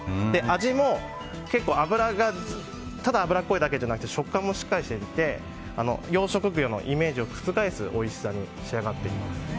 味もただ脂っこいだけじゃなくて食感もしっかりしてて養殖ブリのイメージを覆すおいしさに仕上がっています。